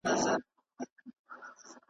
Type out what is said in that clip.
زما پر زړه باندي تل اورې زما یادېږې .